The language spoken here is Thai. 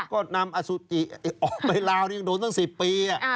ก็นำอสุจิออกไปลาวยังโดนตั้ง๑๐ปี